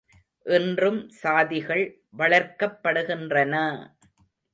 இன்றும் சாதிகள் வளர்க்கப்படுகின்றன!